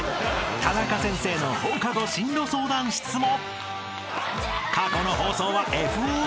［タナカ先生の放課後進路相談室も］